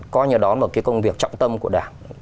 coi như đó là cái công việc trọng tâm của đảng